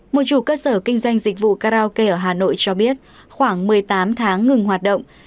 một chủ cơ sở kinh doanh dịch vụ karaoke ở hà nội cho biết khoảng một mươi tám tháng ngừng hoạt động